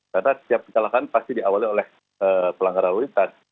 karena setiap kecelakaan pasti diawali oleh pelanggar laulintas